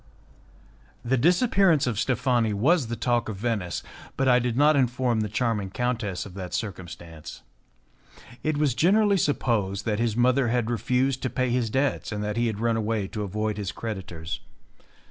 The disappearance of Steffani was the talk of Venice, but I did not inform the charming countess of that circumstance. It was generally supposed that his mother had refused to pay his debts, and that he had run away to avoid his creditors.